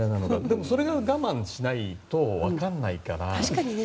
でも、それを我慢しないと分からないから。